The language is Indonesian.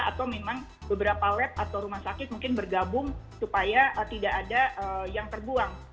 atau memang beberapa lab atau rumah sakit mungkin bergabung supaya tidak ada yang terbuang